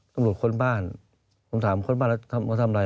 ตำลวดคนบ้านผมถามคนบ้านว่าทำว่าทำอะไรอ่ะ